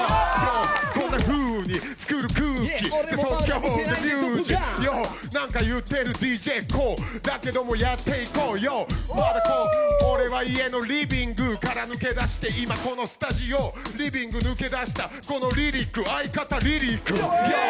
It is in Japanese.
こんなふうにつくる空気なんかいってるＤＪＫＯＯだけどもやっていこうよ、俺は家のリビングから抜け出して今このスタジオリビング抜け出した、このリリック相方、リリー君。